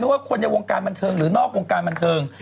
ว่าคนในวงการบันเทิงหรือนอกวงการบันเทิง